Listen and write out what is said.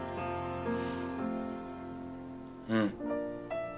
うん。